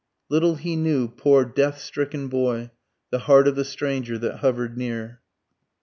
Little he knew, poor death stricken boy, the heart of the stranger that hover'd near.